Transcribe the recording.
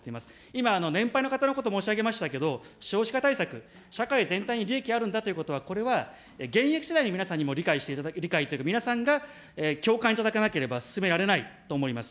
今、年配の方のこと、申し上げましたけど、少子化対策、社会全体に利益あるんだということは、これは現役世代の皆さんにも理解というか、皆さんが共感いただかなければ進められないと思います。